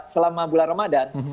selama bulan ramadhan